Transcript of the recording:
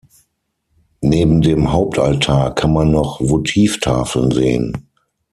Neben dem Hauptaltar kann man noch Votivtafeln sehen.